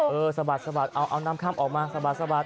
เออสะบัดเอานำข้ามออกมาสะบัด